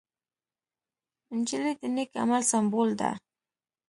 نجلۍ د نېک عمل سمبول ده.